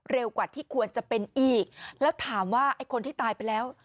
กว่าที่ควรจะเป็นอีกแล้วถามว่าไอ้คนที่ตายไปแล้ว